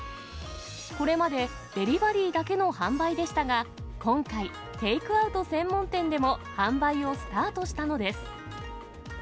これまでデリバリーだけの販売でしたが、今回、テイクアウト専門店でも販売をスタートしたのです。